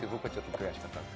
悔しかったです。